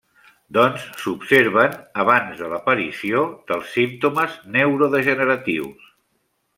Doncs s'observen abans de l'aparició dels símptomes neurodegeneratius.